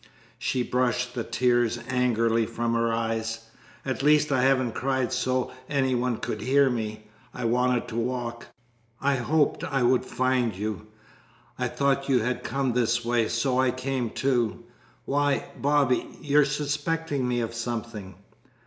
She brushed the tears angrily from her eyes. "At least I haven't cried so any one could hear me. I wanted to walk. I hoped I would find you. I thought you had come this way, so I came, too. Why, Bobby, you're suspecting me of something!"